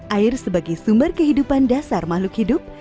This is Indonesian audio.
air sebagai sumber kehidupan dasar makhluk hidup